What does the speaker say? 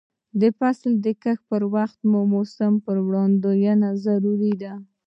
د فصل د کښت پر وخت د موسم وړاندوینه ضروري ده.